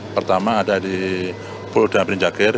pertama ada di pulau dambri jakir